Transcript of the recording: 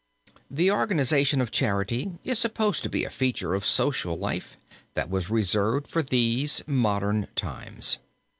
The organization of charity is supposed to be a feature of social life that was reserved for these modern times.